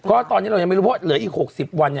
ก็ตอนนี้เรายังไม่รู้ว่าเหลืออีก๖๐วัน